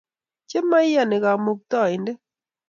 Chemaiyani kamukataindet